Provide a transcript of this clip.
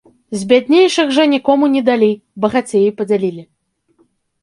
З бяднейшых жа нікому не далі, багацеі падзялілі.